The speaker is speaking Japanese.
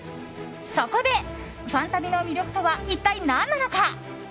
そこで「ファンタビ」の魅力とは一体何なのか？